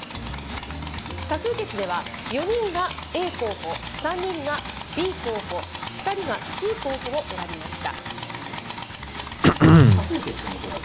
多数決では、４人がＡ候補、３人がＢ候補、２人がＣ候補を選びました。